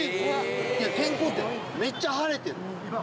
いや、天候って、めっちゃ晴れてる。